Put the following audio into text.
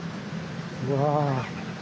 うわ。